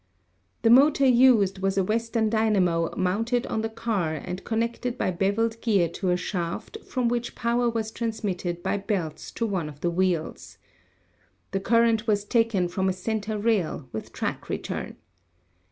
The motor used was a Weston dynamo mounted on the car and connected by beveled gear to a shaft from which power was transmitted by belts to one of the wheels. The current was taken from a center rail, with track return.